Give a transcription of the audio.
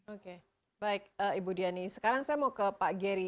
oke baik ibu diani sekarang saya mau ke pak geri